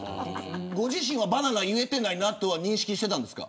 ご自身はバナナ言えてないなとは認識してたんですか。